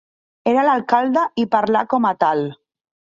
Era l'alcalde i parlà com a tal.